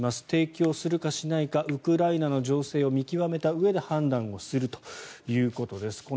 提供するかしないかウクライナの情勢を見極めたうえで判断をするということです。